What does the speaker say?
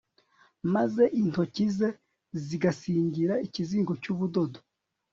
maze intoki ze zigasingira ikizingo cy'ubudodo